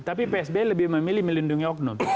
tapi psb lebih memilih melindungi oknum